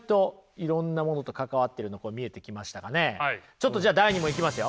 ちょっとじゃあ第２問いきますよ。